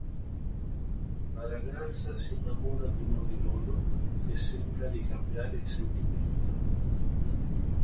La ragazza si innamora di uno di loro, che sembra ricambiare il sentimento.